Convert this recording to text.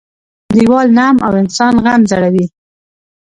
- دیوال نم او انسان غم زړوي.